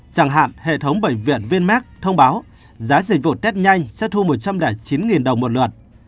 chẳng hạn hệ thống bệnh viện vinmec thông báo giá dịch vụ test nhanh sẽ thu một trăm linh chín đồng một lượt